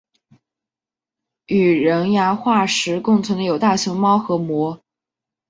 与人牙化石共存的有大熊猫和貘。